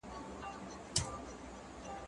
زه هره ورځ لوبه کوم!.